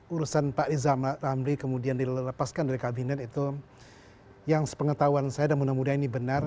urusan pak riza ramli kemudian dilepaskan dari kabinet itu yang sepengetahuan saya dan mudah mudahan ini benar